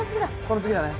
この次だね。